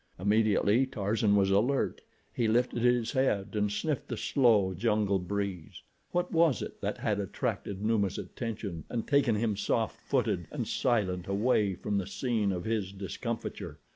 Immediately Tarzan was alert. He lifted his head and sniffed the slow, jungle breeze. What was it that had attracted Numa's attention and taken him soft footed and silent away from the scene of his discomfiture?